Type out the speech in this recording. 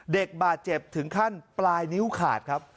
เด็กบาดเจ็บถึงขั้นปลายนิ้วขาดครับ